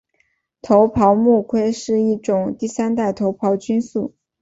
头孢达肟是一种第三代头孢菌素。